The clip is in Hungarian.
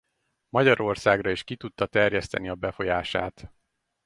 Magyarországra is ki tudta terjeszteni a befolyását.